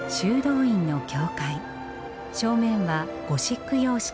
正面はゴシック様式です。